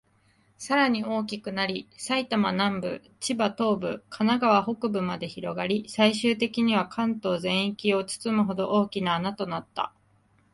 さらに大きくなり、埼玉南部、千葉東部、神奈川北部まで広がり、最終的には関東全域を包むほど、大きな穴となった。